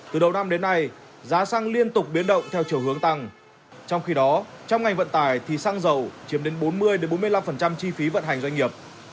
trong khi đó trong ngành vận tải thì xăng dầu chiếm đến bốn mươi bốn mươi năm chi phí vận hành doanh nghiệp